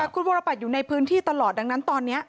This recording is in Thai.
คุณวรปัตรอยู่ในพื้นที่ตลอดดังนั้นตอนนี้